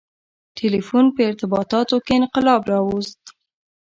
• ټیلیفون په ارتباطاتو کې انقلاب راوست.